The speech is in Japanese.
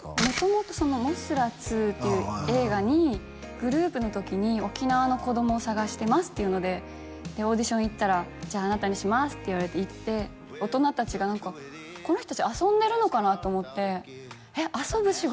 もともと「モスラ２」っていう映画にグループの時に沖縄の子どもを探してますっていうのでオーディション行ったらあなたにしますって言われて行って大人達が何かこの人達遊んでるのかなと思ってえ遊ぶ